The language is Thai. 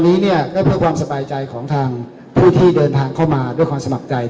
นี้เนี่ยก็เพื่อความสบายใจของทางผู้ที่เดินทางเข้ามาด้วยความสมัครใจ